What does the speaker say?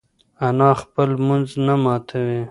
انا خپل لمونځ نه ماتوي.